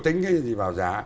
tính cái gì vào giá